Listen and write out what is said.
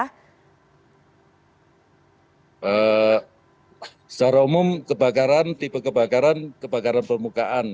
secara umum kebakaran tipe kebakaran kebakaran permukaan